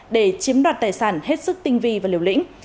để chiếm đoạt tài sản hết sức tinh vi và liều lĩnh